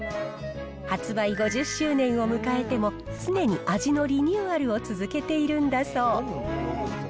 発売５０周年を迎えても、常に味のリニューアルを続けているんだそう。